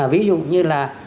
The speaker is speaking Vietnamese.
ví dụ như là